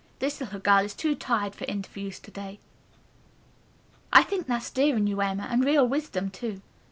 This little girl is too tired for interviews to day." "I think that's dear in you, Emma, and real wisdom too.